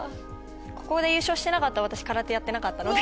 ここで優勝してなかったら私空手やってなかったので。